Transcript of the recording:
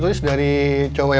tunggu di depan ya